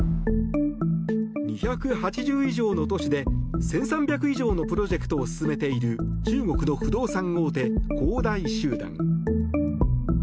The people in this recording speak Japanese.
２８０以上の都市で１３００以上のプロジェクトを進めている中国の不動産大手、恒大集団。